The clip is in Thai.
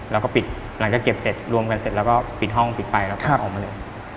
แล้วก็ปิดหลังจากเก็บเสร็จรวมกันเสร็จแล้วก็ปิดห้องปิดไฟแล้วก็ออกมาเลย